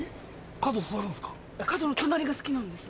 角の隣が好きなんです。